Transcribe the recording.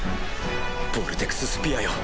ボルテクススピアよ。